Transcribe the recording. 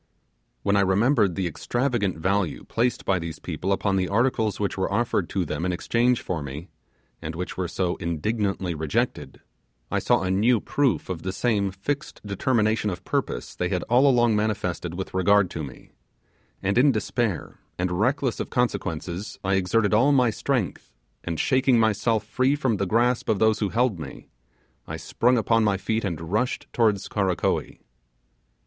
When I remembered the extravagant value placed by these people upon the articles which were offered to them in exchange for me, and which were so indignantly rejected, I saw a new proof of the same fixed determination of purpose they had all along manifested with regard to me, and in despair, and reckless of consequences, I exerted all my strength, and shaking myself free from the grasp of those who held me, I sprang upon my feet and rushed towards Karakoee.